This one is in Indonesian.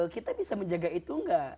kita bisa menjaga itu enggak